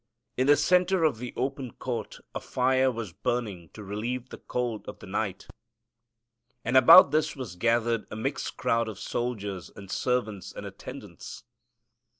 In the center of the open court a fire was burning to relieve the cold of the night, and about this was gathered a mixed crowd of soldiers and servants and attendants.